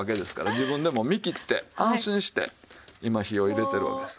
自分でも見切って安心して今火を入れてるわけです。